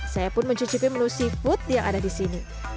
saya pun mencicipi menu seafood yang ada disini